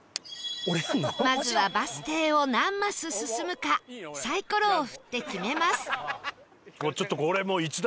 まずはバス停を何マス進むかサイコロを振って決めます